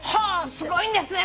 すごいんですね